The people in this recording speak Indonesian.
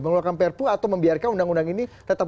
mengeluarkan perpu atau membiarkan undang undang ini tetap